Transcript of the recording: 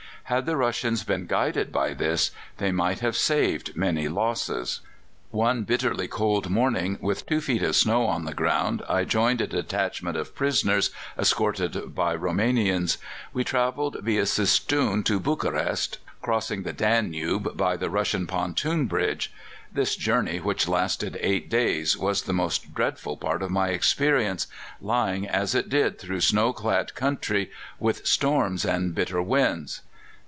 Had the Russians been guided by this, they might have saved many losses. "One bitterly cold morning, with two feet of snow on the ground, I joined a detachment of prisoners, escorted by Roumanians. We travelled viâ Sistoon to Bukarest, crossing the Danube by the Russian pontoon bridge. This journey, which lasted eight days, was the most dreadful part of my experience, lying as it did through snow clad country, with storms and bitter winds.